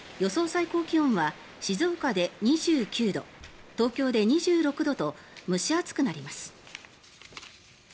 最高気温は静岡で２９度東京で２６度と蒸し暑くなります。